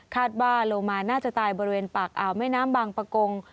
ว่าโลมาน่าจะตายบริเวณปากอ่าวแม่น้ำบางประกง